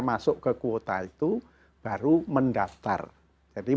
masuk ke kuota itu baru mendaftar jadi